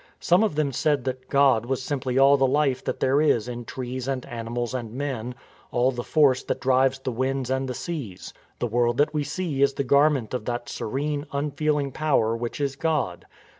Some of them said that God was simply all the Life that there is in trees and animals and men, all the force that drives the winds and the seas. The world that we see is the garment of that serene, unfeeling Power which is God.